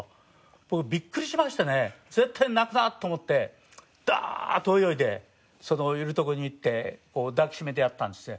僕ビックリしましてね絶対泣くなと思ってダーッと泳いでそのいるとこに行ってこう抱き締めてやったんですね。